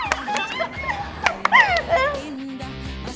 sampai jumpa lagi